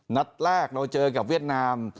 นัดแรกเราเจอกับเวียดนาม